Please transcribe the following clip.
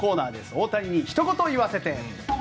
大谷にひと言言わせて！